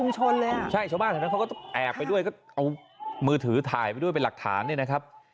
ใช่ชาวบ้านแถวนั้นเขาก็ต้องแอบไปด้วยก็เอามือถือถ่ายไปด้วยเป็นหลักฐานเนี่ยนะครับ